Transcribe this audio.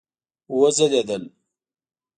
وځلیدل